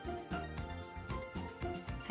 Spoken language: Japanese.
はい。